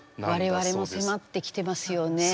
我々も迫ってきてますよね。